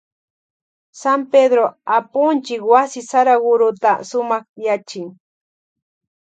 San Pedró apunchik wasi Saragurota sumakyachin.